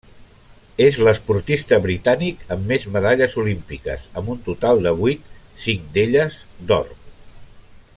És l'esportista britànic amb més medalles olímpiques amb un total de vuit, cinc d'elles d'or.